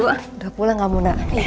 udah pulang kamu nak